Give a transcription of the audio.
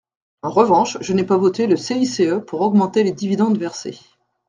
En revanche, je n’ai pas voté le CICE pour augmenter les dividendes versés.